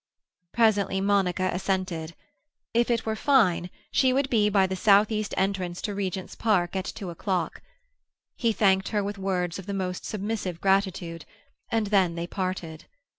Presently Monica assented. If it were fine, she would be by the south east entrance to Regent's Park at two o'clock. He thanked her with words of the most submissive gratitude, and then they parted.